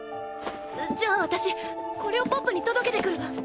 じゃあ私これをポップに届けてくるわ。